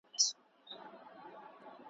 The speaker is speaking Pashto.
يو له بله يې وهلي وه جگړه وه `